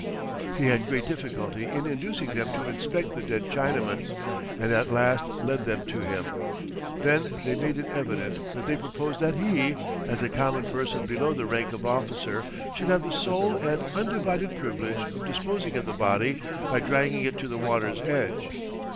He had great difficulty in inducing them to inspect the dead Chinaman, and at last led them to him. Then they made it evident that they proposed that he, as a common person below the rank of officer should have the sole and undivided privilege of disposing of the body by dragging it to the water's edge.